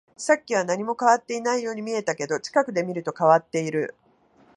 さっきは何も変わっていないように見えたけど、近くで見ると変わっている